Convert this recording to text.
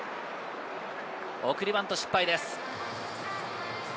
送りバント失敗です。